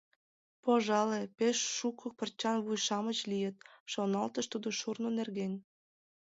«Пожале, пеш шуко пырчан вуй-шамыч лийыт», — шоналтыш тудо шурно нерген.